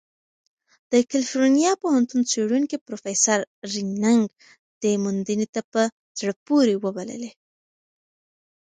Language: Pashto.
د کلیفورنیا پوهنتون څېړونکی پروفیسر رین نګ دې موندنې ته "په زړه پورې" وبللې.